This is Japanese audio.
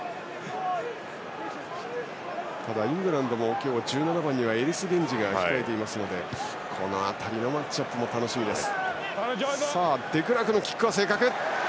ただ、イングランドも今日は１７番にエリス・ゲンジが控えていますのでこの辺りのマッチアップも楽しみです。